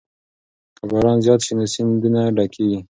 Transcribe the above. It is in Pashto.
که باران زیات شي نو سیندونه ډکېږي.